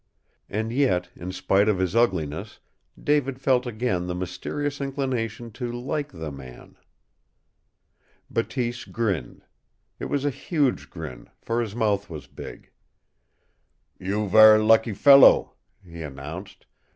And yet, in spite of his ugliness, David felt again the mysterious inclination to like the man. Bateese grinned. It was a huge grin, for his mouth was big. "You ver' lucky fellow," he announced.